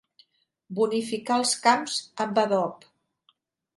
Bonificar els camps amb adob.